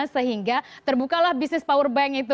sehingga terbukalah bisnis power bank itu